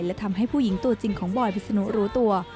และทำให้ผู้หญิงตัวจริงของบอยพิษนุรู้ตัว